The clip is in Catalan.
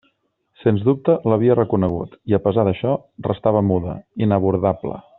Sens dubte l'havia reconegut, i a pesar d'això, restava muda, inabordable.